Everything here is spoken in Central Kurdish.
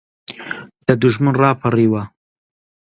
لە دوژمن ڕاپەڕیوە